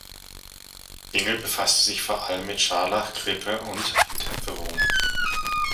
Bingel befasste sich vor allem mit Scharlach, Grippe und Interferon.